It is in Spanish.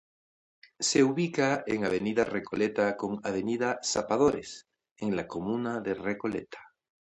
Se ubica en Avenida Recoleta con Avenida Zapadores, en la comuna de Recoleta.